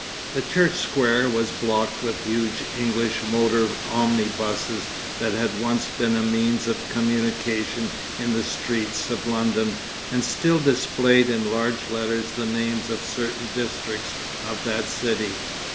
The church square was blocked with huge English motor omnibuses that had once been a means of communication in the streets of London, and still displayed in large letters the names of certain districts of that city.